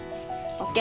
ＯＫ。